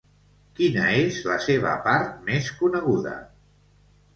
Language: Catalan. Quina és la seva part més coneguda?